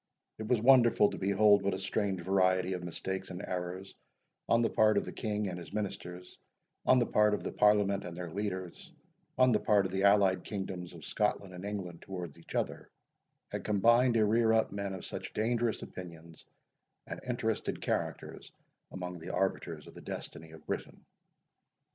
It was wonderful to behold what a strange variety of mistakes and errors, on the part of the King and his Ministers, on the part of the Parliament and their leaders, on the part of the allied kingdoms of Scotland and England towards each other, had combined to rear up men of such dangerous opinions and interested characters among the arbiters of the destiny of Britain.